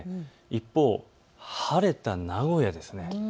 一方、晴れた名古屋です。